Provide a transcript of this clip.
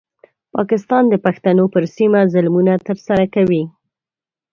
پاکستان د پښتنو پر سیمه ظلمونه ترسره کوي.